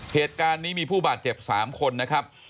เหตุการณ์นี้มีผู้บาดเจ็บ๓คนนะครับ